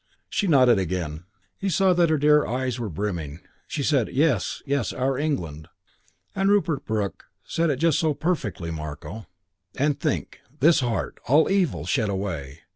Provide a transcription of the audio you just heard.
She nodded again. He saw that her dear eyes were brimming. She said, "Yes yes. Our England. Rupert Brooke said it just perfectly, Marko: "And think, this heart, all evil shed, away....